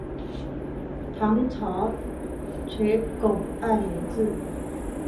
唐朝垂拱二年置。